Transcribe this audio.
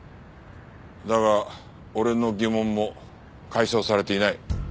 だが俺の疑問も解消されていない。